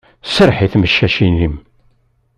Serreḥ i tmeccacin-im.